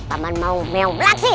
taman mau mew